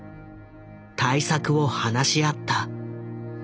対策を話し合った。